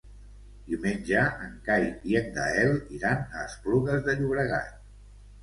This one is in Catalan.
Diumenge en Cai i en Gaël iran a Esplugues de Llobregat.